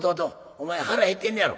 お前腹減ってんねやろ。